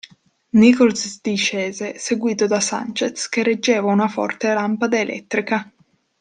Nichols discese, seguito da Sanchez che reggeva una forte lampada elettrica.